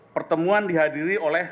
pertemuan dihadiri oleh